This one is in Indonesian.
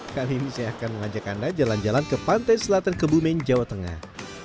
kali ini saya akan mengajak anda jalan jalan ke pantai selatan kebumen jawa tengah